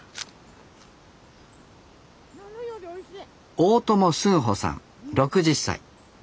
大友スンホさん６０歳。